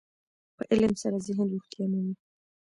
په علم سره ذهن روغتیا مومي.